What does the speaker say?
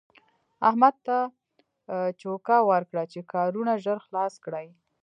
احمد ته چوکه ورکړه چې کارونه ژر خلاص کړي.